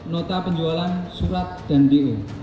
nota penjualan surat dan do